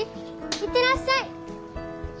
行ってらっしゃい！